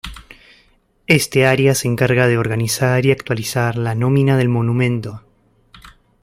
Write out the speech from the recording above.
Este área se encarga de organizar y actualizar la nómina del Monumento.